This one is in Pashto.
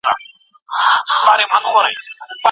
وخت کي د «خراسان» شعار هم د ایران له نیابتي ډلو څخه راپورته